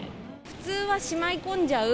普通はしまい込んじゃう